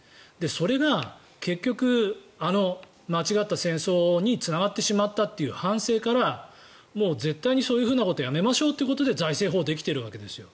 それが結局、あの間違った戦争につながってしまったという反省からもう絶対にそういうふうなことはやめましょうということで財政法ができているわけですよ。